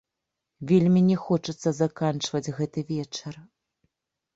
Вельмі не хочацца заканчваць гэты вечар.